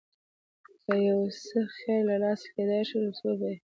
که یو څه خیر له لاسه کېدای شي رسوو به یې.